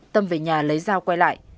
tâm về nhà lấy dao quay lại